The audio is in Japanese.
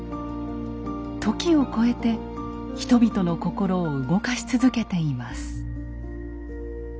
時を超えて人々の心を動かし続けています。